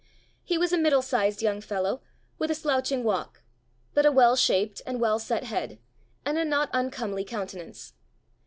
He was a middle sized young fellow, with a slouching walk, but a well shaped and well set head, and a not uncomely countenance.